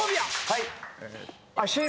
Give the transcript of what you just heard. はい。